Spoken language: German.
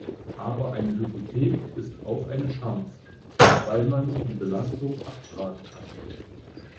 Aber eine Hypothek ist auch eine Chance, weil man die Belastung abtragen kann.